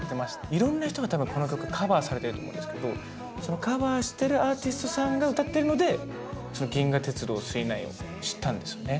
いろんな人が多分この曲カバーされてると思うんですけどそのカバーしてるアーティストさんが歌ってるのでその「銀河鉄道９９９」を知ったんですよね。